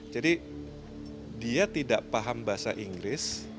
jadi dia tidak paham bahasa inggris